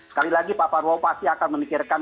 sekali lagi pak prabowo pasti akan memikirkan